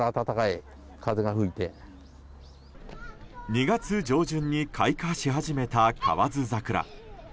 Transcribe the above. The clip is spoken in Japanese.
２月上旬に開花し始めた河津桜。